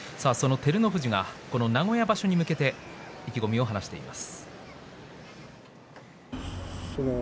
照ノ富士はこの名古屋場所に向けて意気込みを話しています。